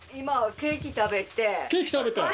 ケーキ食べて？